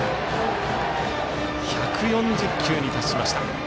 １４０球に達しました。